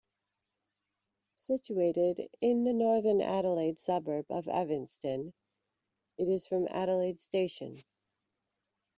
Situated in the northern Adelaide suburb of Evanston, it is from Adelaide station.